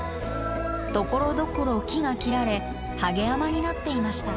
ところどころ木が切られはげ山になっていました。